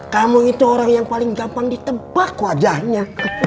kamu itu orang yang paling gampang ditebak wajahnya